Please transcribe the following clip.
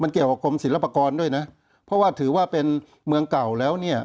เกี่ยวกับกรมศิลปากรด้วยนะเพราะว่าถือว่าเป็นเมืองเก่าแล้วเนี่ย